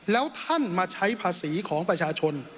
แล้วท่านมาใช้ภาษีของประชาชน